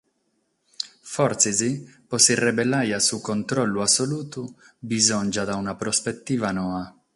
Fortzis pro si rebellare a su controllu assolutu bisòngiat una prospetiva noa.